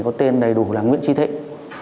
có tên đầy đủ là nguyễn tri thịnh